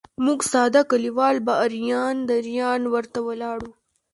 موږ ساده کلیوال به اریان دریان ورته ولاړ وو.